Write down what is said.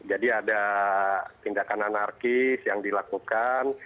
ada tindakan anarkis yang dilakukan